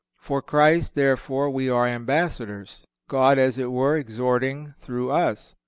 For Christ, therefore, we are ambassadors; God, as it were, exhorting through us."